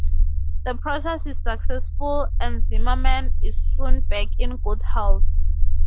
The process is successful, and Zimmerman is soon back in good health.